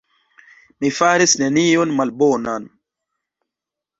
Mi faris nenion malbonan.